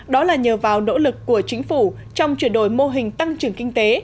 đó là nhờ vào nỗ lực của chính phủ trong chuyển đổi mô hình tăng trưởng kinh tế